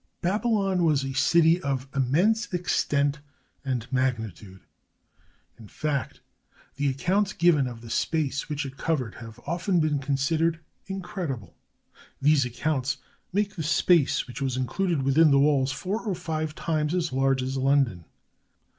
Babylon was a city of immense extent and magnitude. In fact, the accounts given of the space which it covered have often been considered incredible. These accounts make the space which was included within the walls four or five times as large as London.